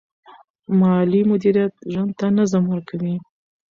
مالي مدیریت ژوند ته نظم ورکوي.